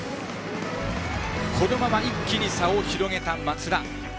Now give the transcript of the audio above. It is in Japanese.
このまま一気に差を広げた松田。